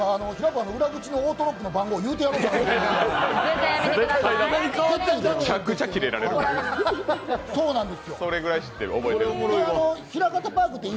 パーの裏口のオートロックの番号、言うてやろうかなって。